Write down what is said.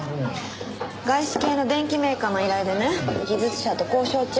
外資系の電機メーカーの依頼でね技術者と交渉中。